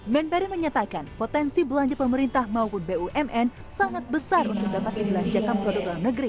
menberi menyatakan potensi belanja pemerintah maupun bumn sangat besar untuk dapat dibelanjakan produk